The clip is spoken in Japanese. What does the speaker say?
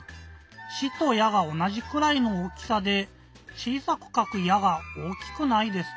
「し」と「や」がおなじくらいの大きさでちいさくかく「や」が大きくないですか？